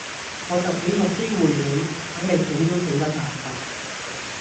我就畀個機會你，等你死都死得眼閉